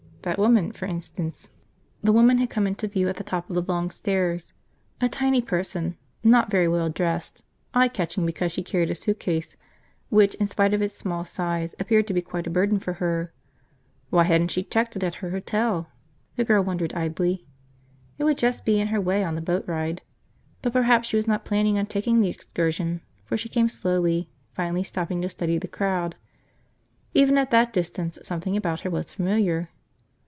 That woman, for instance. The woman had come into view at the top of the long stairs, a tiny person, not very well dressed, eye catching because she carried a suitcase which in spite of its small size appeared to be quite a burden for her. Why hadn't she checked it at her hotel? the girl wondered idly. It would just be in her way on the boat ride. But perhaps she was not planning on taking the excursion for she came slowly, finally stopping to study the crowd. Even at that distance something about her was familiar.